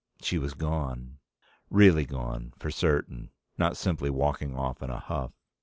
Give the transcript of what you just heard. She was gone. Really gone, for certain, not simply walking off in a huff.